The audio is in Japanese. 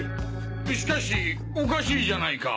しかしおかしいじゃないか。